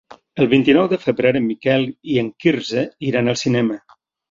El vint-i-nou de febrer en Miquel i en Quirze iran al cinema.